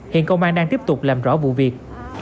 hiện công an đang tiếp tục làm rõ vụ việc